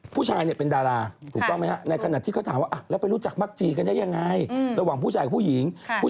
ผู้ชายตอนนั้นเขาเรียนมาหลายอยู่